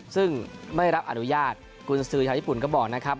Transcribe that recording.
ซึ่งไม่รับอนุญาตกุญสือชาวญี่ปุ่นก็บอกนะครับ